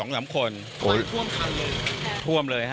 มันท่วมทางเลย